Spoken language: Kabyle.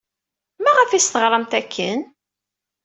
Maɣef ay as-teɣramt akken?